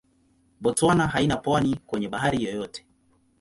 Botswana haina pwani kwenye bahari yoyote.